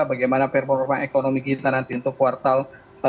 bagaimana performa ekonomi kita nanti untuk kuartal satu dua ribu dua puluh tiga